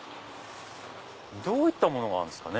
どういったものがあるんすかね？